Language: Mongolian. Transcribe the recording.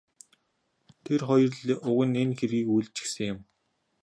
Тэр хоёр л уг нь энэ хэргийг үйлдчихсэн юм.